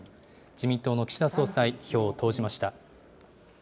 自民党の岸田総裁、票を投じました。